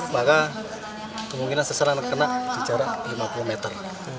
maka kemungkinan seseorang kena di jarak lima puluh meter